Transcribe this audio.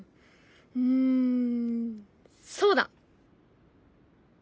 うんそうだ！